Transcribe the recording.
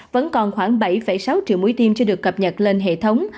vẫn còn khoảng bảy sáu triệu mũi tiêm chưa được cập nhật lên hệ thống